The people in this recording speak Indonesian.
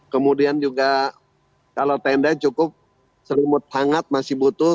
kemudian juga kalau tenda cukup selimut hangat masih butuh